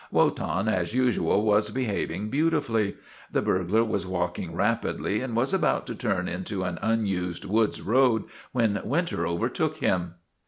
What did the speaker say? Wotan, as usual, was be having beautifully. The burglar was walking rap idly and was about to turn into an unused woods road when Winter overtook him.